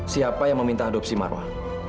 siapa yang meminta adopsi marwah